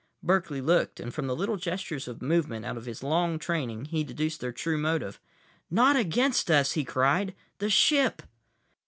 Berkeley looked, and from the little gestures of movement out of his long training he deduced their true motive. "Not against us!" he cried. "The ship."